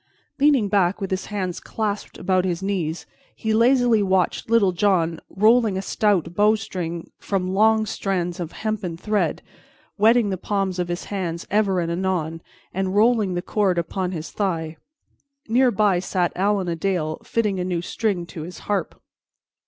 Leaning back with his hands clasped about his knees, he lazily watched Little John rolling a stout bowstring from long strands of hempen thread, wetting the palms of his hands ever and anon, and rolling the cord upon his thigh. Near by sat Allan a Dale fitting a new string to his harp.